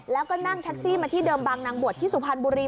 แล้วก็นั่งแท็กซี่มาที่เดิมบางนางบวชที่สุพรรณบุรี